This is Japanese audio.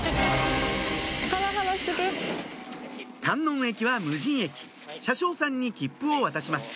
観音駅は無人駅車掌さんに切符を渡します